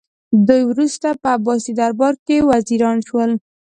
دوی وروسته په عباسي دربار کې وزیران شول